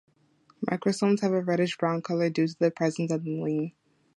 Microsomes have a reddish-brown color, due to the presence of the heme.